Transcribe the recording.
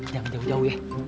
jangan jauh jauh ya